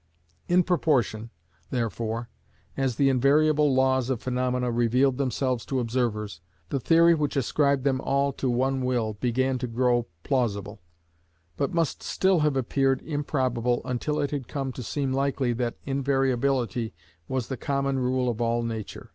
In proportion, therefore, as the invariable laws of phaenomena revealed themselves to observers, the theory which ascribed them all to one will began to grow plausible; but must still have appeared improbable until it had come to seem likely that invariability was the common rule of all nature.